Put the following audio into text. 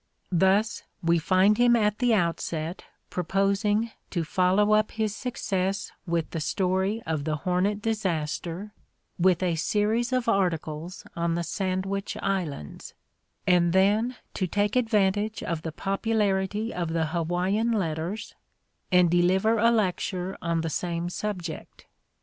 Thus we find him at the outset proposing to "follow up" his success with the story of the "Hornet" disaster with a series of articles on the Sandwich Islands, and then to "take advantage of the popularity of the Hawaiian letters and deliver a lecture on the sam'^ '"'' ject.